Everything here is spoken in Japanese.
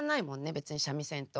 別に三味線と。